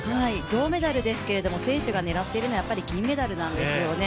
銅メダルですが選手が狙っているのはやっぱり金メダルなんですよね。